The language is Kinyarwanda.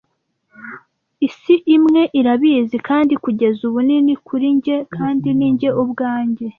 Isi imwe irabizi kandi kugeza ubu nini kuri njye, kandi ni njye ubwanjye,